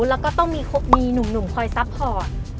แล้วก็ต้องมีหนุ่มคอยซัพพอร์ต